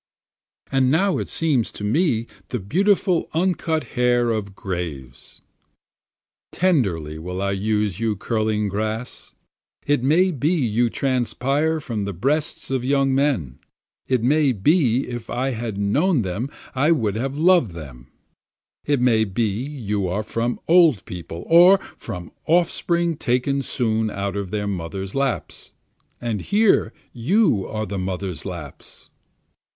And now it seems to me the beautiful uncut hair of graves. Tenderly will I use you curling grass, It may be you transpire from the breasts of young men, It may be if I had known them I would have loved them, It may be you are from old people, or from offspring taken soon out of their mothers' laps, And here you are the mothers' laps.